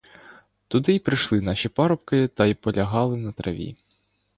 Туди й прийшли наші парубки та й полягали на траві.